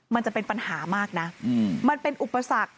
มันจะเป็นปัญหามากนะมันเป็นอุปสรรค